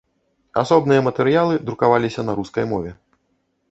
Асобныя матэрыялы друкаваліся на рускай мове.